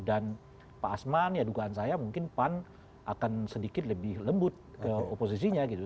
pak asman ya dugaan saya mungkin pan akan sedikit lebih lembut oposisinya gitu